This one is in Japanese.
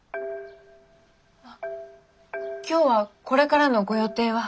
今日はこれからのご予定は？